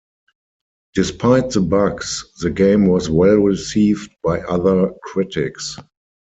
Despite the bugs, the game was well received by other critics.